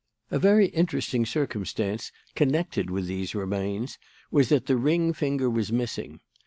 "A very interesting circumstance connected with these remains was that the ring finger was missing.